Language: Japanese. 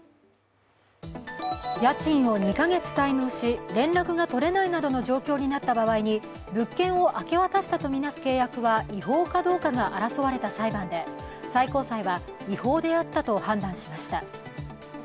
家賃を２か月滞納し、連絡が取れないなどの状況になった場合に物件を明け渡したとみなす契約は違法かどうか争われた裁判で最高裁は、違法であったと判断しました。